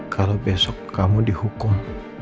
kalau besok kamu dihukum